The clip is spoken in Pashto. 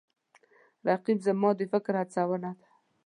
رقیب زما د فکر هڅونه ده